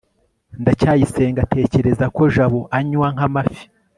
ndacyayisenga atekereza ko jabo anywa nk'amafi